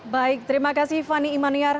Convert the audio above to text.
baik terima kasih fani imaniar